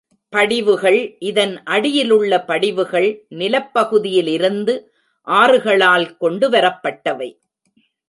படிவுகள் இதன் அடியிலுள்ள படிவுகள் நிலப்பகுதியிலிருந்து ஆறுகளால் கொண்டுவரப்பட்டவை.